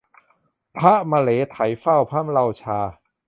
พระมะเหลไถเฝ้ามะเลาชา